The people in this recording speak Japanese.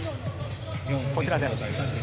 こちらです。